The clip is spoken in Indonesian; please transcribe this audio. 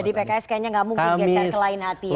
jadi pks kayaknya nggak mungkin geser ke lain hati ya